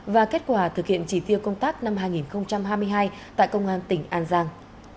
và kết quả thực hiện chỉ tiêu công tác năm hai nghìn hai mươi hai tại công an tỉnh an giang